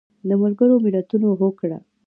د ملګرو ملتونو هوکړه